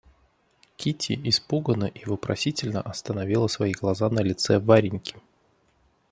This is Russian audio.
Кити испуганно и вопросительно остановила свои глаза на лице Вареньки.